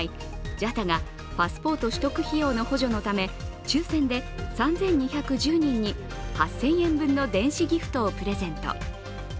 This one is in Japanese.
ＪＡＴＡがパスポート取得費用の補助のため抽選で３２１０人に８０００円分の電子ギフトをプレゼント。